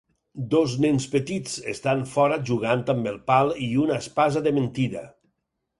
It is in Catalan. Dos nens petits estan fora jugant amb un pal i una espasa de mentida.